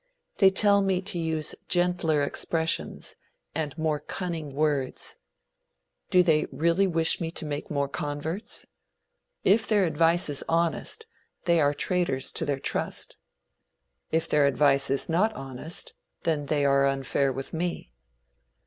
They tell me to use gentler expressions, and more cunning words. Do they really wish me to make more converts? If their advice is honest, they are traitors to their trust. If their advice is not honest, then they are unfair with me.